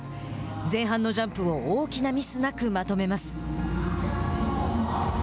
前半のジャンプを大きなミスなくまとめます。